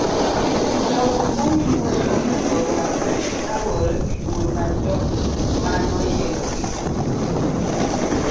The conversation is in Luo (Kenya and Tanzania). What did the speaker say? jogo momi luor onego ruakre kaluwore gi luor ma jok manoyierogi omiyogi